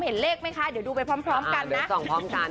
เห็นเลขไหมคะเดี๋ยวดูไปพร้อมกันนะ